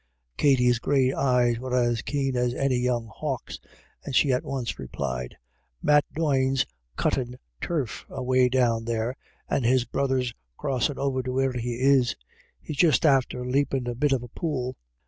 Katty's grey eyes were as keen as any young hawk's, and she at once replied :" Matt Doyne's cuttin' turf away down there, and his brother's crossin' over to where he is ; he's just after leppin' X 184 IRISH IDYLLS. a bit of a pool."